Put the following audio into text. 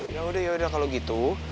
yaudah yaudah kalo gitu